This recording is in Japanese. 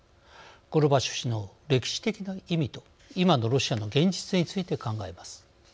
ゴルバチョフ氏の歴史的な意味と今のロシアの現実について考えます。